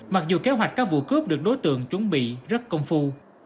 mặc dù kế hoạch các vụ cướp được đối tượng chuẩn bị rất công phu